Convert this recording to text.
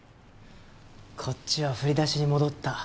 こっちは振り出しに戻った。